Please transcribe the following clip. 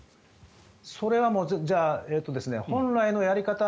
それは本来のやり方